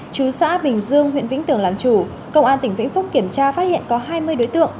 chú xã bình dương huyện vĩnh tường làm chủ công an tp hương yên kiểm tra phát hiện có hai mươi đối tượng